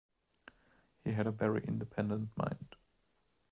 He had a very independent mind.